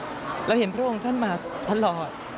เราโตมาเราเห็นพระองค์ท่านมาทลอด